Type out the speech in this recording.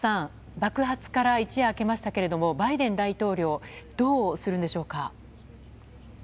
爆発から一夜明けましたがバイデン大統領どうするんでしょうか？